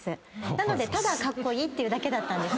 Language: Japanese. なのでただカッコイイってだけだったんです。